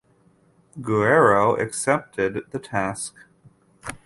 Guerrero accepted the task.